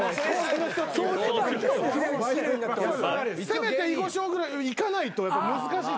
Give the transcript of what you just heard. せめて囲碁将ぐらいいかないとやっぱ難しい。